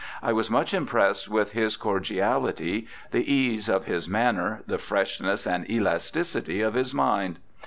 I was much impressed with his cordiality, the ease of his manner, the freshness and elasticity of his mind.